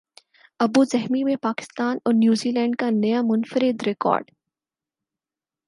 Abu Dhabi میں پاکستان اور New Zealand کا نیا منفرد ریکارڈ